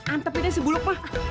antepinnya si buluk pak